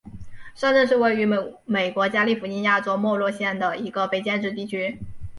上镇是位于美国加利福尼亚州莫诺县的一个非建制地区。